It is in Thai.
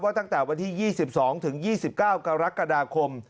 ว่าตั้งแต่วันที่๒๒๒๙กรกฎาคม